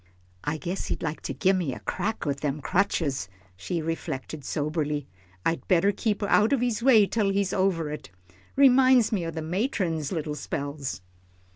"I guess he'd like to gimme a crack with them crutches," she reflected, soberly, "I'd better keep out of his way till he's over it. Reminds me o' the matron's little spells."